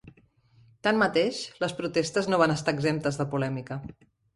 Tanmateix, les protestes no van estar exemptes de polèmica.